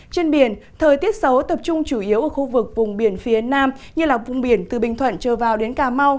trên biển thời tiết xấu tập trung chủ yếu ở khu vực vùng biển phía nam như là vùng biển từ bình thuận trở vào đến cà mau